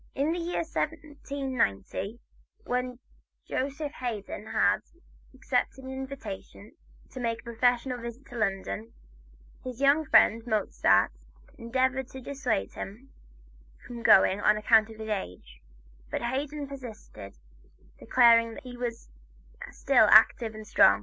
In the year 1790, when Joseph Haydn had accepted an invitation to make a professional visit to London, his young friend, Mozart, endeavored to dissuade him from going on account of his age, but Haydn persisted, declaring that he was still active and strong.